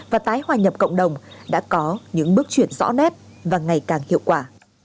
và tái hòa nhập cộng đồng đã có những bước chuyển rõ nét và ngày càng hiệu quả